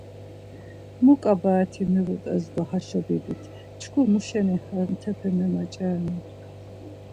Mu ǩabaet̆i miğutes do haşo bivit, çku muşeni hatepe memaç̌arenan!